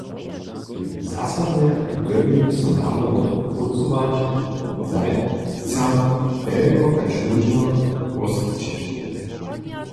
Zasadnje dyrbimy so dale wo to prócować zajimcam telko kaž móžno poskićeć.